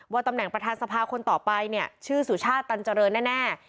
ตำแหน่งประธานสภาคนต่อไปเนี่ยชื่อสุชาติตันเจริญแน่